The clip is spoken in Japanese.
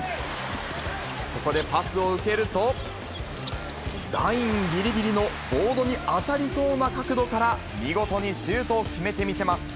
ここでパスを受けると、ラインぎりぎりのボードに当たりそうな角度から、見事にシュートを決めてみせます。